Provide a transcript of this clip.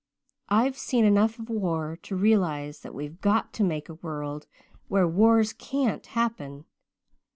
I've seen enough of war to realize that we've got to make a world where wars can't happen.